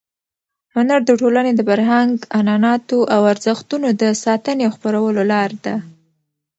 هنر د ټولنې د فرهنګ، عنعناتو او ارزښتونو د ساتنې او خپرولو لار ده.